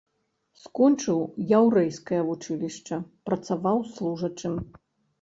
Скончыў яўрэйскае вучылішча, працаваў служачым.